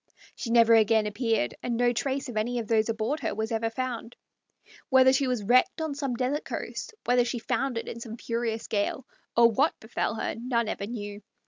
She never again appeared, and no trace of any of those aboard her was ever found. Whether she was wrecked on some desert coast, whether she foundered in some furious gale, or what befell her none ever knew.